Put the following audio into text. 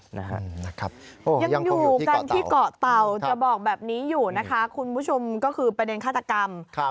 ยังอยู่กันที่เกาะเต่าจะบอกแบบนี้อยู่นะคะคุณผู้ชมก็คือประเด็นฆาตกรรม